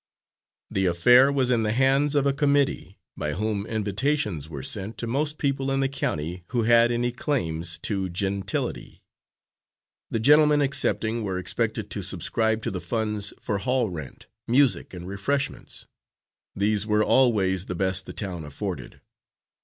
The affair was in the hands of a committee, by whom invitations were sent to most people in the county who had any claims to gentility. The gentlemen accepting were expected to subscribe to the funds for hall rent, music and refreshments. These were always the best the town afforded.